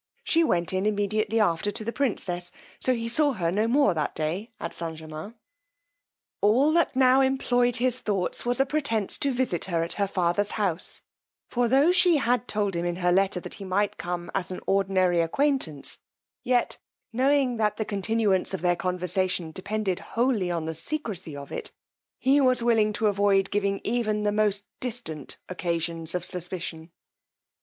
She went in immediately after to the princess, so he saw her no more that day at St. Germains. All that now employed his thoughts was a pretence to visit her at her father's house; for tho' she had told him in her letter that he might come as an ordinary acquaintance, yet knowing that the continuance of their conversation depended wholly on the secrecy of it, he was willing to avoid giving even the most distant occasions of suspicion.